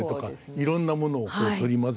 いろんなものをこう取り混ぜて。